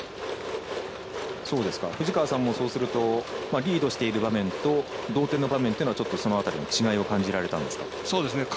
藤川さんもリードしている場面と同点の場面というのはその辺りの違いを感じられたんですか？